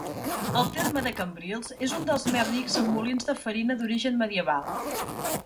El terme de Cambrils és un dels més rics amb molins de farina d'origen medieval.